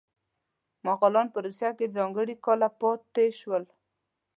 مغولان په روسیه کې ځانګړي کاله پاتې شول.